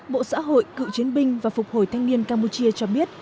bộ xã hội cựu chiến binh và phục hồi thanh niên campuchia cho biết